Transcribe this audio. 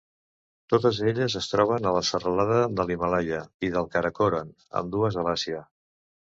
Totes elles es troben a la serralada de l'Himàlaia i del Karakoram, ambdues a l'Àsia.